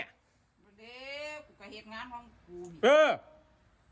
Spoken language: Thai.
ไม่ได้กูก็เหตุงานห้องกูเนี่ย